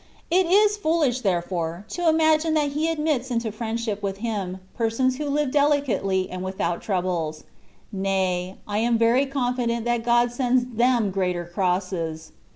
It is foolish, therefore, to imagine that He admits into friendship with Him persons who live dehcately and without troubles : nay, I am very confident that Grod sends them greater crosses.